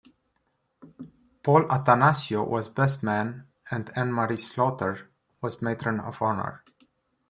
Paul Attanasio was best man, and Anne-Marie Slaughter was matron of honor.